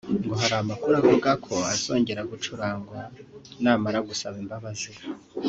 ngo hari amakuru avuga ko azongera gucurangwa namara gusaba imbabazi